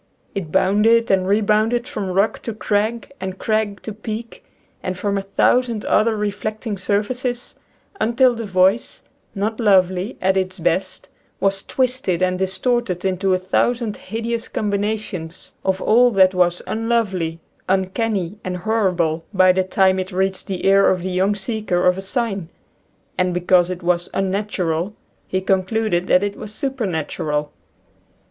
It bounded and rebounded from rock to crag and crag to peak and from a thousand other reflecting surfaces until the voice — not lovely at its best — was twisted and distorted into a thousand hideous combina tions of all that was unlovely, uncanny, and horrible, by the time it reached the ear of the {^\, Original from :{<~ UNIVERSITY OF WISCONSIN £cbO and "Resonance. 71 young seeker of a sign, — and, because it was unnatural, he concluded that it was super natural.